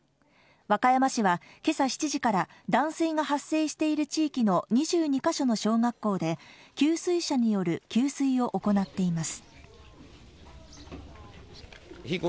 和歌山市は今朝７時から断水が発生している地域の２２か所の小学校で給水車による給水を行っています。